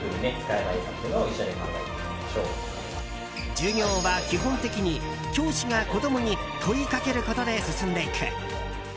授業は基本的に教師が子供に問いかけることで進んでいく。